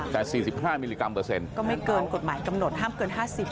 แต่๔๕มิลลิกรัมเปอร์เซ็นต์ก็ไม่เกินกฎหมายกำหนดห้ามเกิน๕๐